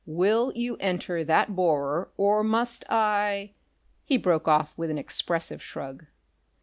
"Will you enter that borer, or must I " He broke off with an expressive shrug.